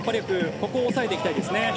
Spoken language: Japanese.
ここを抑えていきたいですね。